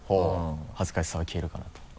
恥ずかしさは消えるかなと。